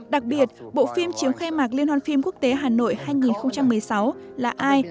đặc biệt bộ phim chiếu khai mạc liên hoàn phim quốc tế hà nội hai nghìn một mươi sáu là ai